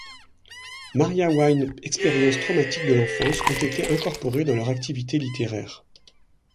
Maria Wine expériences traumatiques de l'enfance ont été incorporés dans leur activité littéraire.